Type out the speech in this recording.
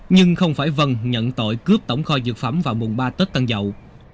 nhưng không phải vân nhận tội cướp tổng kho dược phẩm vào mùng ba tết tân dậu